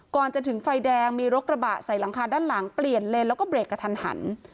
ก่อนจะถึงไฟแดงมีรถกระบะใส่หลังคาด้านหลังเปลี่ยนเลนแล้วก็เบรกกระทันหัน